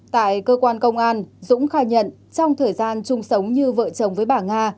tại cơ quan công an dũng khai nhận trong thời gian chung sống như vợ chồng với bà nga